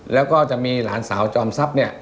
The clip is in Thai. แล้วก็จะมีหลานสาวจอมทรัพย์เนี่ย